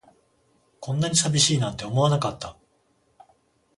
こんなに寂しいなんて思わなかった